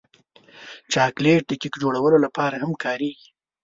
چاکلېټ د کیک جوړولو لپاره هم کارېږي.